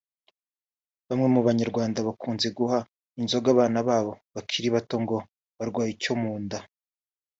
Bamwe mu Banyarwanda bakunze guha inzoga abana babo bakiri bato ngo barwaye icyo mu nda